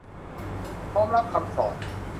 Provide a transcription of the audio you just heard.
น้อมรับคำสอน